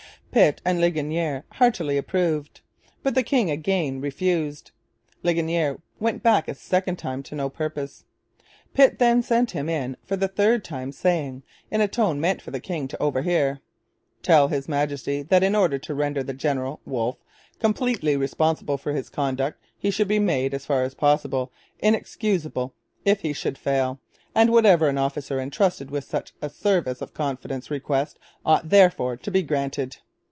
Pitt and Ligonier heartily approved. But the king again refused. Ligonier went back a second time to no purpose. Pitt then sent him in for the third time, saying, in a tone meant for the king to overhear: 'Tell His Majesty that in order to render the General [Wolfe] completely responsible for his conduct he should be made, as far as possible, inexcusable if he should fail; and that whatever an officer entrusted with such a service of confidence requests ought therefore to be granted.'